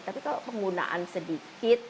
tapi kalau penggunaan sedikit